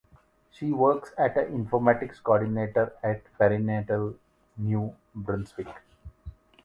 She works as an Informatics Coordinator at Perinatal New Brunswick.